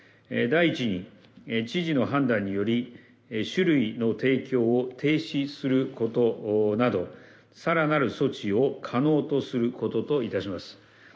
第１に、知事の判断により酒類の提供を停止することなど、さらなる措置を可能とすることといたします。